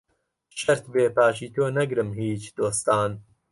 شەرت بێ پاشی تۆ نەگرم هیچ دۆستان